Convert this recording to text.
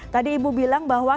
tadi ibu bilang bahwa